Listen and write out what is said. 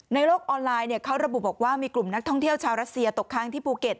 โลกออนไลน์เขาระบุบอกว่ามีกลุ่มนักท่องเที่ยวชาวรัสเซียตกค้างที่ภูเก็ต